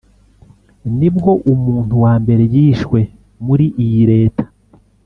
nibwo umuntu wa mbere yishwe muri iyi leta